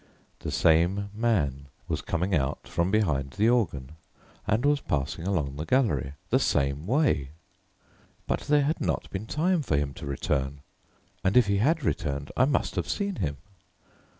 The same man was coming out from behind the organ, and was passing along the gallery the same way. But there had not been time for him to return, and if he had returned, I must have seen him.